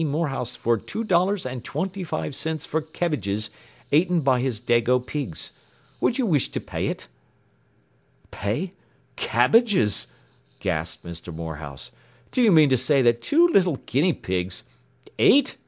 Morehouse for two dollars and twinty foive cints for kebbages aten by his dago pigs. Wud you wish to pay ut?” “Pay Cabbages !” gasped Mr. Morehouse. “Do you mean to say that two little guinea pigs ” “Eight!